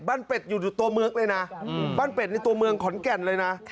เป็ดอยู่ตัวเมืองเลยนะบ้านเป็ดในตัวเมืองขอนแก่นเลยนะ